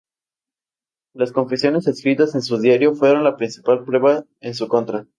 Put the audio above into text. Las confesiones escritas en su diario fueron la principal prueba en su contra.